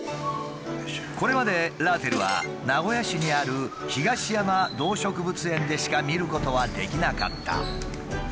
これまでラーテルは名古屋市にある東山動植物園でしか見ることはできなかった。